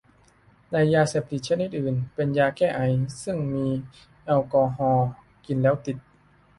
ในยาเสพติดชนิดอื่น เช่นยาแก้ไอ ซึ่งมีแอลกอฮอล์ กินแล้วติด